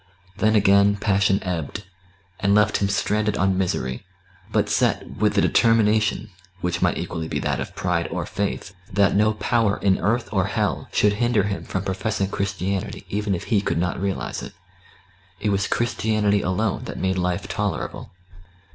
Then again passion ebbed, and left him stranded on misery, but set with a determination (which might equally be that of pride or faith) that no power in earth or hell should hinder him from professing Christianity even if he could not realise it. It was Christianity alone that made life tolerable.